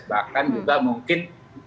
bahkan juga mungkin